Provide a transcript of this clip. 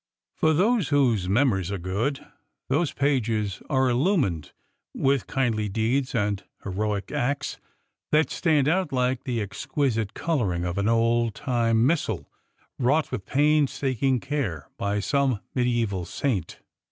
For those whose memories are good, those pages are illumined with kindly deeds and heroic acts that stand out like the exquisite coloring of an old time missal wrought with painstaking care by some medieval saint.